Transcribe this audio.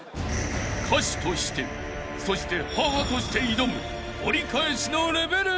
［歌手としてそして母として挑む折り返しのレベル５］